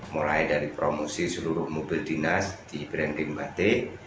mulai dari promosi seluruh mobil dinas di branding batik